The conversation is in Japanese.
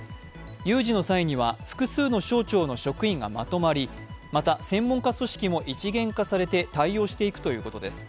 有事の際には複数の省庁の職員がまとまり、また、専門家組織も一元化されて対応していくということです。